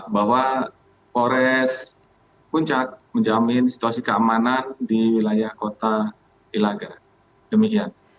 bahwa polres puncak menjamin situasi keamanan di wilayah kota ilaga demikian